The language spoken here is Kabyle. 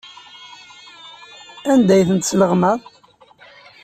Anda ay tent-tesleɣmaḍ?